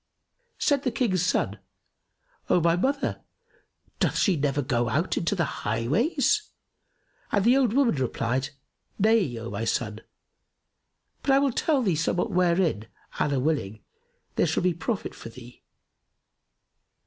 Said the King's son, "O my mother, doth she never go out into the highways?"; and the old woman replied, "Nay, O my son; but I will tell thee somewhat wherein, Allah willing, there shall be profit for thee.